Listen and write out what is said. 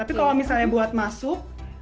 tapi kalau misalnya buat masuk